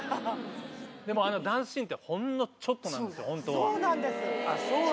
でもあのダンスシーンってほんのちょっとなんです本当は。そうなんですね。